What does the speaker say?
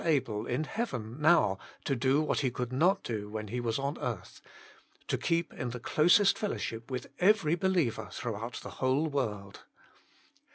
Cbtfdt 10 able in heaven now to do what He could not do when He was on earth — to keep in the closest fellowship with every be liever throughout the whole world.